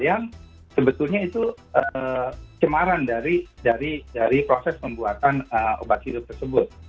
yang sebetulnya itu cemaran dari proses pembuatan obat hidup tersebut